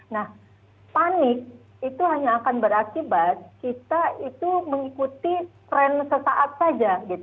nah panik itu hanya akan berakibat kita itu mengikuti tren sesaat saja